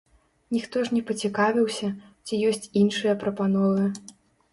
Ніхто ж не пацікавіўся, ці ёсць іншыя прапановы.